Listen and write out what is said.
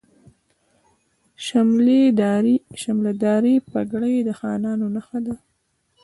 شملې دارې پګړۍ د خانانو نښه ده.